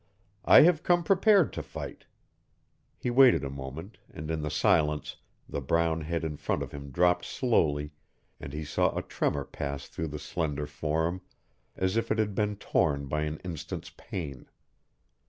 "I have come prepared to fight." He waited a moment, and in the silence the brown head in front of him dropped slowly and he saw a tremor pass through the slender form, as if it had been torn by an instant's pain.